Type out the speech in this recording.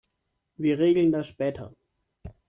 Wir regeln das später.